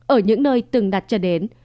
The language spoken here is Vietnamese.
ở những nơi từng đặt trở đến